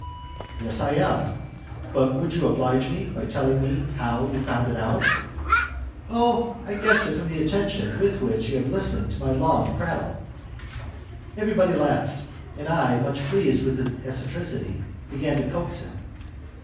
"Yes, I am, but would you oblige me by telling me how you have found it out?" "Oh! I guessed it from the attention with which you have listened to my long prattle." Everybody laughed, and I, much pleased with his eccentricity, began to coax him.